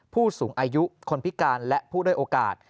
ผู้สูงอายุคนพิการและผู้ด้วยโอกาส